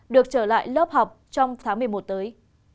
được trở lại lớp học trong tháng một mươi một tới